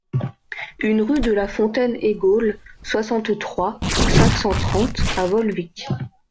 un rue de la Fontaine Egaules, soixante-trois, cinq cent trente à Volvic